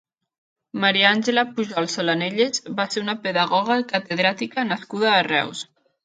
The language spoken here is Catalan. Maria Angela Pujol Solanellas va ser una pedagoga i catedràtica nascuda a Reus.